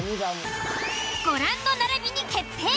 ご覧の並びに決定。